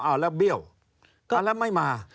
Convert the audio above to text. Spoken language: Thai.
เอาแล้วเบี้ยวแล้วไม่มา